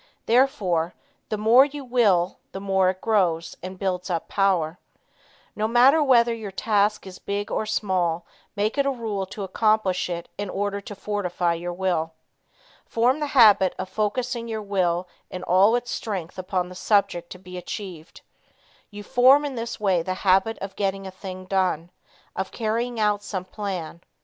Therefore the more you will, the more it grows, and builds up power. No matter whether your task is big or small, make it a rule to accomplish it in order to fortify your will. Form the habit of focusing your will in all its strength upon the subject to be achieved. You form in this way the habit of getting a thing done, of carrying out some plan.